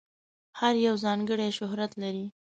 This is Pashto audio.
هر یو ځانګړی شهرت لري.